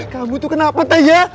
kamu tuh kenapa teh ya